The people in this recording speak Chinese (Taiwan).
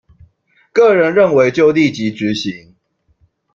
個人認為就立即執行